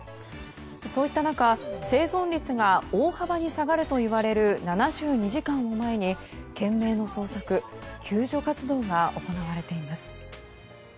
そういった中生存率が大幅に下がるといわれる７２時間を前に懸命の捜索、救助活動が行われています。